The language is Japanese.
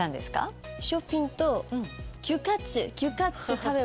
ショッピングと。